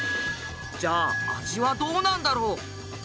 じゃあ味はどうなんだろう？